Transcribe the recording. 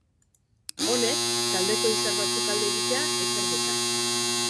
Honek, taldeko izar batzuk alde egitea ekar dezake.